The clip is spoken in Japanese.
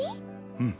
うん。